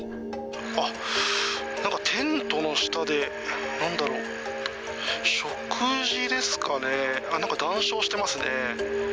あっ、なんかテントの下で、なんだろう、食事ですかね、なんか、談笑してますね。